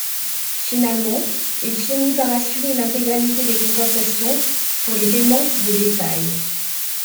Finalement, il finit par assurer l'intégralité des compensations pour les paiements de détail.